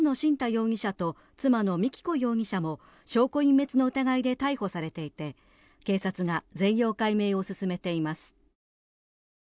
容疑者と妻のみき子容疑者も証拠隠滅の疑いで逮捕されていて警察が全容解明を進めています。